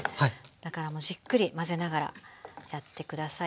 だからじっくり混ぜながらやって下さい。